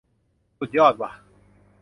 สุดยอดว่ะ